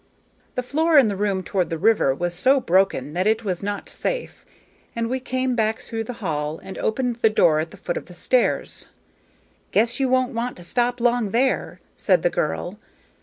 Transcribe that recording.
The floor in the room toward the river was so broken that it was not safe, and we came back through the hall and opened the door at the foot of the stairs. "Guess you won't want to stop long there," said the girl.